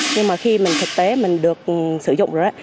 nhưng mà khi mình thực tế mình được sử dụng rồi đó